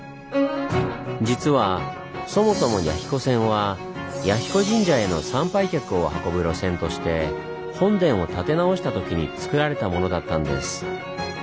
実はそもそも弥彦線は彌彦神社への参拝客を運ぶ路線として本殿を建て直したときにつくられたものだったんです。